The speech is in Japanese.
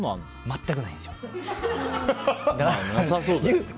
全くないんですよ。